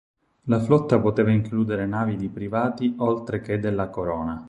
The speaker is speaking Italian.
La flotta poteva includere navi di privati oltre che della Corona.